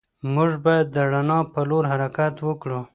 موږ بايد د رڼا په لور حرکت وکړو.